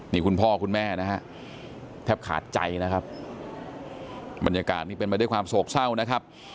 นี่คุณพ่อคุณแม่นะฮะแทบขาดใจนะครับบรรยากาศนี้เป็นไปด้วยความโศกเศร้านะครับ